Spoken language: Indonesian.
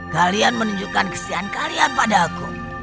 kalian menunjukkan kestiaan kalian pada aku